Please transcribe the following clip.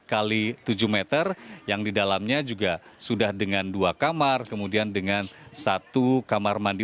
empat kali tujuh meter yang di dalamnya juga sudah dengan dua kamar kemudian dengan satu kamar mandi